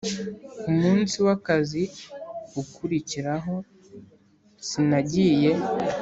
ku munsi w akazi ukurikiraho sinagiye